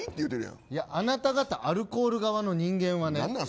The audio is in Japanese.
あなた方アルコール側の人間はね